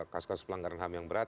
kasus kasus pelanggaran ham yang berat